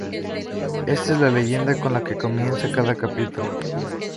Esta es la leyenda con la que comienza cada capítulo.